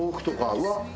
うわっ！